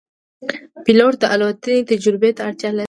پیلوټ د الوتنې تجربې ته اړتیا لري.